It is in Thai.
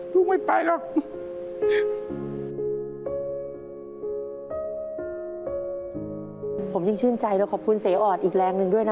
ดูแลได้ไหมน่ะ